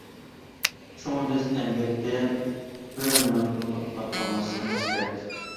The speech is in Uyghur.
شۇڭا بىز ئەمگەكتىن بىر مىنۇتمۇ توختاپ قالماسلىقىمىز كېرەك!